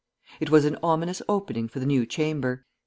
It was an ominous opening for the new Chamber.